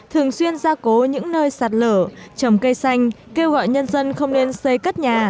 thường xuyên ra cố những nơi sạt lở trầm cây xanh kêu gọi nhân dân không nên xây cất nhà